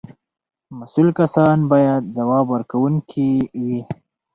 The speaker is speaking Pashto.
مسؤل کسان باید ځواب ورکوونکي وي.